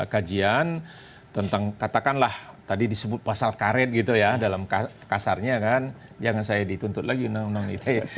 kajian tentang katakanlah tadi disebut pasal karet gitu ya dalam kasarnya kan jangan saya dituntut lagi undang undang ite